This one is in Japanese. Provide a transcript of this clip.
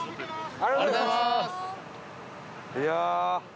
ありがとうございます。